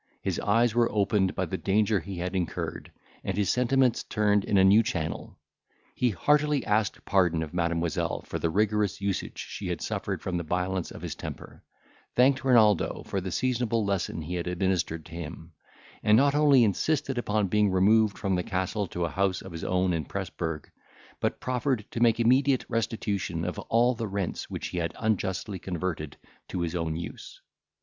His eyes were opened by the danger he had incurred, and his sentiments turned in a new channel. He heartily asked pardon of Mademoiselle for the rigorous usage she had suffered from the violence of his temper; thanked Renaldo for the seasonable lesson he had administered to him; and not only insisted upon being removed from the castle to a house of his own in Presburg, but proffered to make immediate restitution of all the rents which he had unjustly converted to his own use.